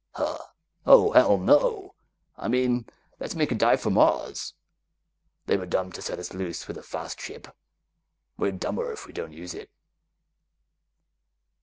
"Huh? Oh, hell, no! I mean let's make a dive for Mars. They were dumb to set us loose with a fast ship. We're dumber if we don't use it!"